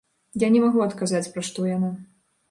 Я не магу адказаць, пра што яна.